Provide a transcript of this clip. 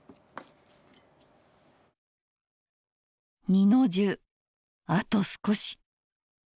二の重あと少し！